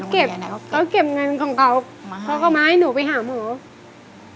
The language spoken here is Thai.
เขาเก็บเงินของเขาเขาก็มาให้หนูไปหาหนู